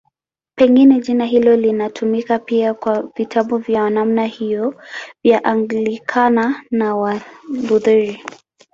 Pengine jina hilo linatumika pia kwa vitabu vya namna hiyo vya Anglikana na Walutheri.